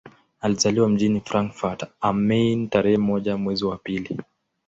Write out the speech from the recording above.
Alizaliwa mjini Frankfurt am Main tarehe moja mwezi wa pili